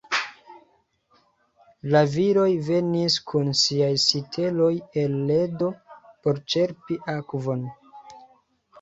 La viroj venis kun siaj siteloj el ledo por ĉerpi akvon.